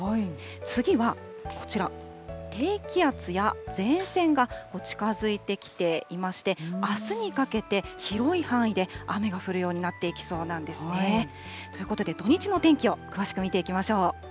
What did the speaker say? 次はこちら、低気圧や前線が近づいてきていまして、あすにかけて広い範囲で雨が降るようになってきそうなんですね。ということで土日の天気を詳しく見ていきましょう。